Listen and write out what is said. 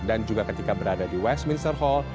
dan juga ketika berada di westminster hall